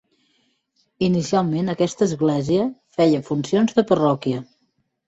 Inicialment aquesta església feia funcions de parròquia.